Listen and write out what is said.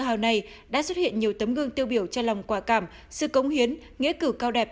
hào này đã xuất hiện nhiều tấm gương tiêu biểu cho lòng quả cảm sự cống hiến nghĩa cử cao đẹp